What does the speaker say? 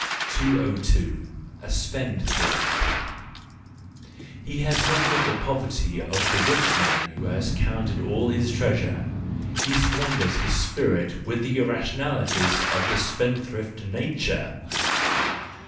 202. A Spendthrift .—He has not yet the poverty o the rich man who has counted all his treasure,—he squanders his spirit with the irrationalness of the spendthrift Nature.